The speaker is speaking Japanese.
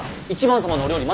１番様のお料理